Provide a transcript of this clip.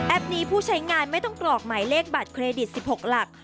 นี้ผู้ใช้งานไม่ต้องกรอกหมายเลขบัตรเครดิต๑๖หลัก